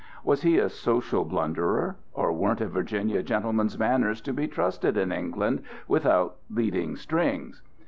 Was he a social blunderer, and weren't a Virginia gentleman's manners to be trusted in England without leading strings?